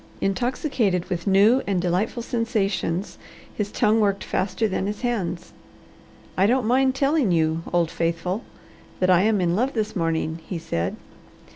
Intoxicated with new and delightful sensations his tongue worked faster than his hands. "I don't mind telling you, old faithful, that I am in love this morning," he said.